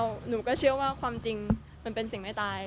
หนูก็เชื่อว่าความจริงมันเป็นสิ่งไม่ตาย